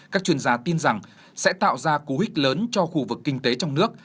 các chuyên gia tin rằng sẽ tạo ra cú hích lớn cho khu vực kinh tế trong nước